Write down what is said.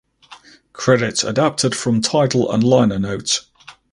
Credits adapted from Tidal and liner notes.